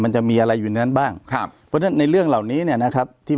มันจะมีอะไรอยู่ในนั้นบ้างเพราะฉะนั้นในเรื่องเหล่านี้นะครับ